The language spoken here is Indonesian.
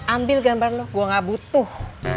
ambil gambar lo gue gak butuh